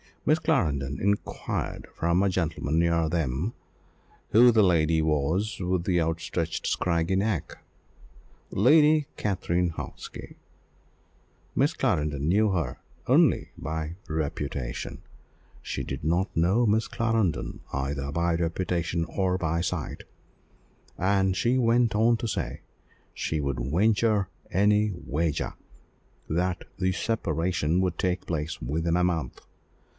Miss Clarendon inquired from a gentleman near them, who the lady was with the outstretched scraggy neck Lady Katrine Hawksby. Miss Clarendon knew her only by reputation. She did not know Miss Clarendon either by reputation or by sight; and she went on to say, she would "venture any wager that the separation would take place within a month.